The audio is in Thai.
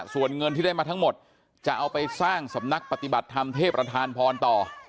ส่วนเงินที่ได้มาทั้งหมดจะเอาไปสร้างสำนักปฏิบัติธรรมเทพประธานพรต่อ